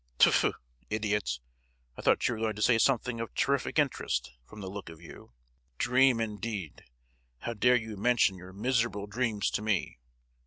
"Tfu! idiot. I thought you were going to say something of terrific interest, from the look of you. Dream, indeed! How dare you mention your miserable dreams to me!